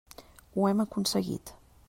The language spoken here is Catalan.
Ho hem aconseguit.